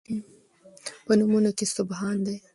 په نومونو کې سبحان دی